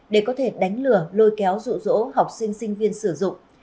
để có thể đánh lừa lôi kéo rụ rỗ học sinh sinh viên sử dụng